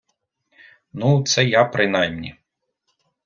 Ну, це я принаймні